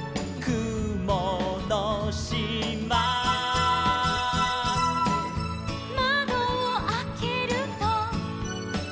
「くものしま」「まどをあけると」